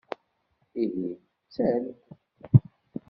Ihi tter-d!